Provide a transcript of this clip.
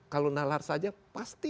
kalau nalar saja pasti